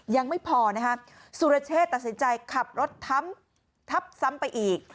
ยังไม่พอนะฮะสุรเชษตัดสินใจขับรถทับซ้ำไปอีก